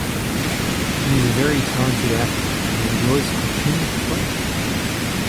He is a very talented athlete and enjoys cartooning for fun.